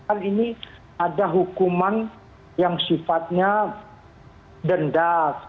kan ini ada hukuman yang sifatnya denda